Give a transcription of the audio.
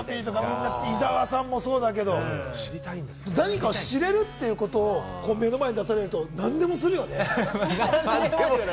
ふくらＰも伊沢さんもそうだけど、何か知れるということを目の前に出されると何でもするよね。